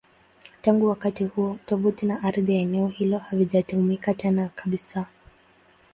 Tangu wakati huo, tovuti na ardhi ya eneo hilo havijatumika tena kabisa.